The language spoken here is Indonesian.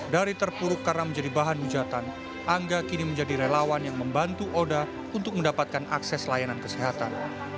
dari terpuruk karena menjadi bahan hujatan angga kini menjadi relawan yang membantu oda untuk mendapatkan akses layanan kesehatan